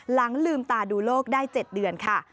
หลังลืมตาดูโลกได้๗เดือนค่ะ